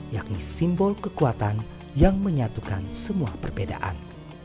yakni simbol kekuatan yang menyatukan semua perbedaan